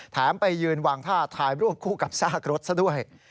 ไปยืนวางท่าถ่ายรูปคู่กับซากรถซะด้วย